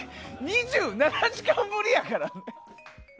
２７時間ぶりやからね。